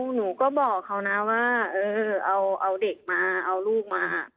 หนูก็บอกเขานะว่าเอาเด็กมาเอาลูกมา